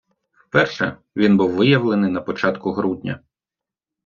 Вперше він був виявлений на початку грудня.